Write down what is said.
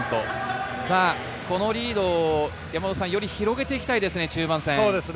このリードをより広げていきたいですね。